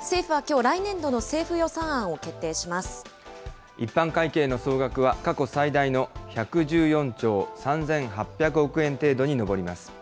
政府はきょう、来年度の政府予算一般会計の総額は、過去最大の１１４兆３８００億円程度に上ります。